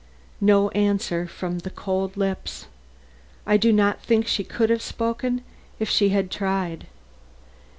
No answer from the cold lips. I do not think she could have spoken if she had tried.